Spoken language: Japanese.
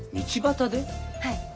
はい。